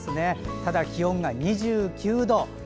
ただ、気温が２９度。